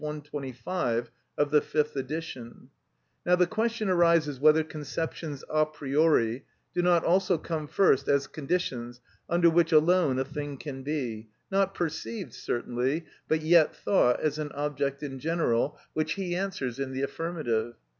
125 of the fifth edition: "Now the question arises whether conceptions a priori do not also come first as conditions under which alone a thing can be, not perceived certainly, but yet thought as an object in general," which he answers in the affirmative.